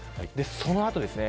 その後です。